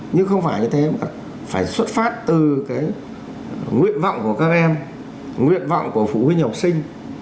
nhưng không phải như thế phải xuất phát từ cái nguyện vọng của các em nguyện vọng của phụ huynh học sinh